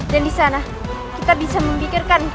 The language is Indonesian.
dan di sana kita bisa memikirkan